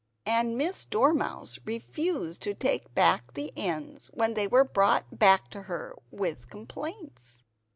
And Miss Dormouse refused to take back the ends when they were brought back to her with complaints.